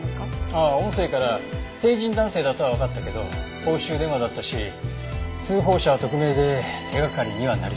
ああ音声から成人男性だとはわかったけど公衆電話だったし通報者は匿名で手がかりにはなりそうもないね。